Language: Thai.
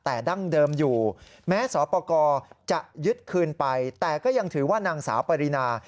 แต่ดั้งเดิมอยู่แม้สอปกรจะยึดคืนไปแต่ก็ยังถือว่านางสาวปรินา